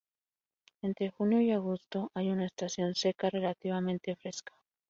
Entre junio y agosto hay una estación seca relativamente fresca.